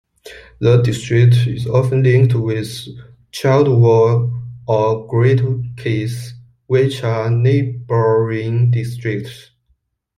The district is often linked with Childwall or Gateacre, which are neighbouring districts.